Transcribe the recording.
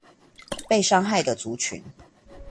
被傷害的族群